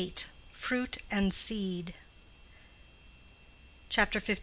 —FRUIT AND SEED. CHAPTER LVIII.